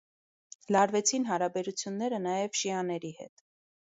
Լարվեցին հարաբերությունները նաև շիաների հետ։